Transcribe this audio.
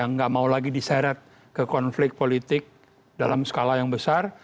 nggak mau lagi diseret ke konflik politik dalam skala yang besar